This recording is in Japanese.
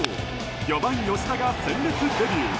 ４番、吉田が鮮烈デビュー。